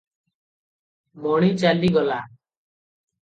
ମଣି ଚାଲିଗଲା ।